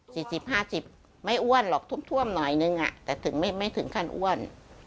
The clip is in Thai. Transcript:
สุดเดือนท้อง๔๐๕๐ไม่้อ้วนหรอกทุ่มหน่อยนึงอะแต่ถึงไม่ถึงขั้นอ้วน